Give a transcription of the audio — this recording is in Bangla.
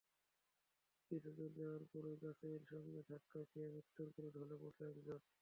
কিছুদূর যাওয়ার পরই গাছের সঙ্গে ধাক্কা খেয়ে মৃত্যুর কোলে ঢলে পড়ল একজন।